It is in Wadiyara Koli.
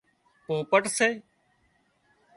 پوپٽ سي